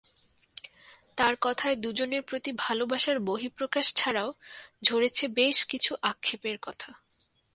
তাঁর কথায় দুজনের প্রতি ভালোবাসার বহিঃপ্রকাশ ছাড়াও ঝরেছে বেশ কিছু আক্ষেপের কথা।